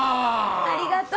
ありがとう。